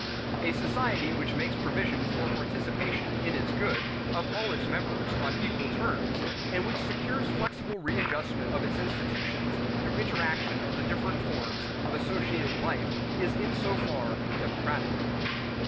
A society which makes provision for participation in its good of all its members on equal terms and which secures flexible readjustment of its institutions through interaction of the different forms of associated life is in so far democratic.